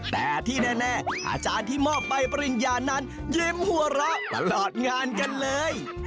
แต่ที่แน่อาจารย์ที่มอบใบปริญญานั้นยิ้มหัวเราะตลอดงานกันเลย